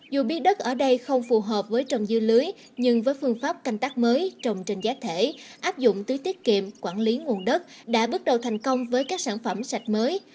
dù biết đất ở đây không phù hợp với trồng dưa lưới nhưng với phương pháp canh tác mới trồng trên giá thể áp dụng tưới tiết kiệm quản lý nguồn đất đã bước đầu thành công với các sản phẩm sạch mới